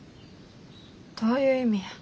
どういう意味や。